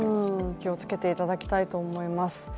気をつけていただきたいと思います。